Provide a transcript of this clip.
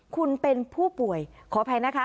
คุณเป็นผู้ป่วยขออภัยนะคะ